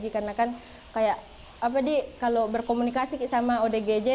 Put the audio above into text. karena kan kayak kalau berkomunikasi sama odgj